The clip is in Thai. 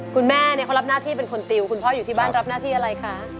คุณแม่เขารับหน้าที่เป็นคนติวคุณพ่ออยู่ที่บ้านรับหน้าที่อะไรคะ